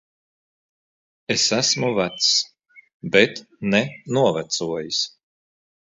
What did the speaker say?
Es esmu vecs. Bet ne novecojis.